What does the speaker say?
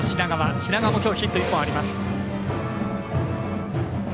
品川も、きょうはヒット１本あります。